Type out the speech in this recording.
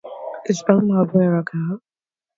Is Elmo a boy or a girl?